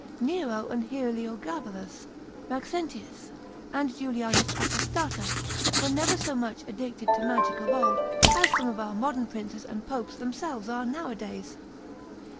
Nero and Heliogabalus, Maxentius, and Julianus Apostata, were never so much addicted to magic of old, as some of our modern princes and popes themselves are nowadays.